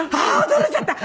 驚いちゃった！